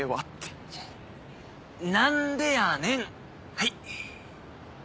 はい。